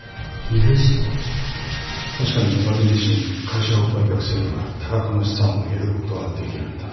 確かに虎君自身会社を売却すれば多額の資産を得ることはできるんだが。